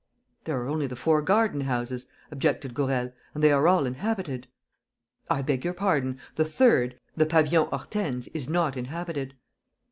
"There are only the four garden houses," objected Gourel, "and they are all inhabited." "I beg your pardon: the third, the Pavillon Hortense, is not inhabited."